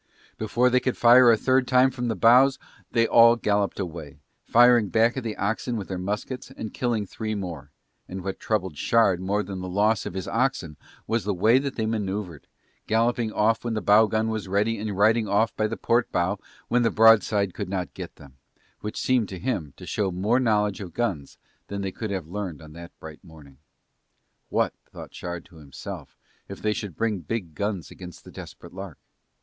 Before they could fire a third time from the bows they all galloped away, firing back at the oxen with their muskets and killing three more, and what troubled Shard more than the loss of his oxen was the way that they manoeuvred, galloping off just when the bow gun was ready and riding off by the port bow where the broadside could not get them, which seemed to him to show more knowledge of guns than they could have learned on that bright morning. What, thought Shard to himself, if they should bring big guns against the Desperate Lark!